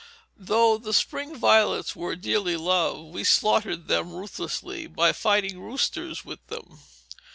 Though the spring violets were dearly loved, we slaughtered them ruthlessly by "fighting roosters" with them.